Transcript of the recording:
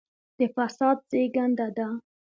د فساد زېږنده ده.